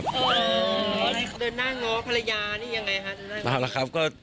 ยืนหนึ่งครับอ่อ